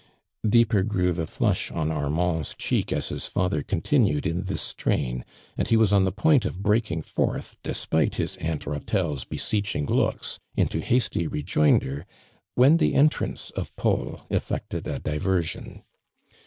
Deeper grew the flush on Armand's cheek, as his father continued in this strain, and. he was on the point of breaking forth, despite his auntllatelle's beseeching looks, into hasty rejoinder, when the entrance of Paul effected a diversion.